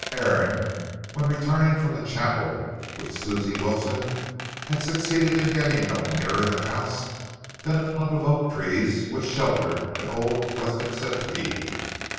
Aaron, when returning from the chapel with Susie Wilson, had succeeded in getting no nearer the house than a clump of oak trees which sheltered an old rustic settee.